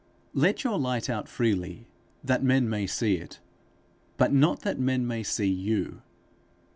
Let your light out freely, that men may see it, but not that men may see you.